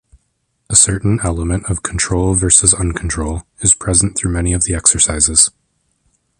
A certain element of "control versus uncontrol" is present through many of the exercises.